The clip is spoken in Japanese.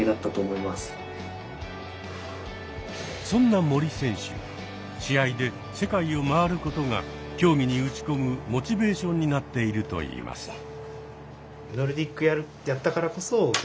そんな森選手試合で世界を回ることが競技に打ち込むモチベーションになっているといいます。